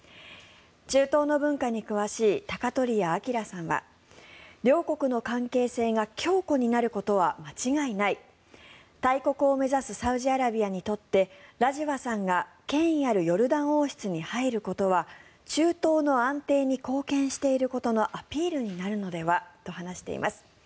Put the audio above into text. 中東の文化に詳しい鷹鳥屋明さんは両国の関係性が強固になることは間違いない大国を目指すサウジアラビアにとってラジワさんが、権威あるヨルダン王室に入ることは中東の安定に貢献していることのアピールになるのではと話しています。